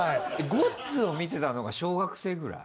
「ごっつ」を見てたのが小学生くらい？